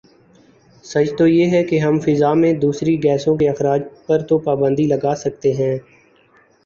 سچ تو یہ ہے کہ ہم فضا میں دوسری گیسوں کے اخراج پر تو پابندی لگاسکتے ہیں